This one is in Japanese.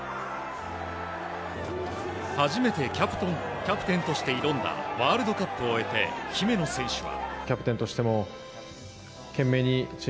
初めてキャプテンとして挑んだワールドカップを終えて姫野選手は。